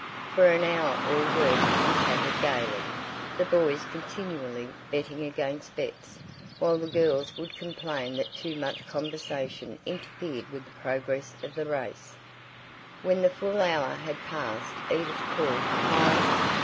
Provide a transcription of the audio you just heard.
For an hour all worked and chatted gaily, the boys continually "betting against bets," while the girls would complain that too much conversation interfered with the progress of the race. When the full hour had passed Edith called "Time!"